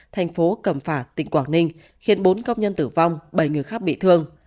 thành phố cẩm phả tỉnh quảng ninh khiến bốn công nhân tử vong bảy người khác bị thương